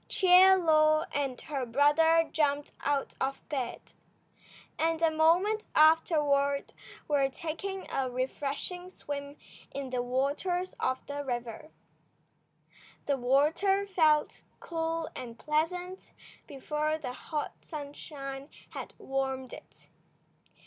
Chie Lo and her brother jumped out of bed, and a moment afterward were taking a refreshing swim in the waters of the river. The water felt cool and pleasant before the hot sunshine had warmed it.